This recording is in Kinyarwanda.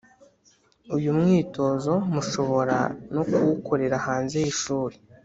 Uyu mwitozo mushobora no kuwukorera hanze y'ishuri,